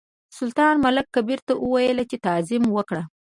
سلطان ملک کبیر ته وویل چې تعظیم وکړه.